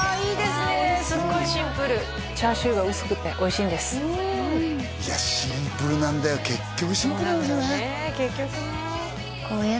すごいシンプルチャーシューが薄くておいしいんですいやシンプルなんだよ結局シンプルなんですよねねえ